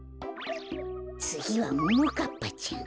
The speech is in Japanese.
つぎはももかっぱちゃん。